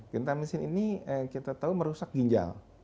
vitamin ini kita tahu merusak ginjal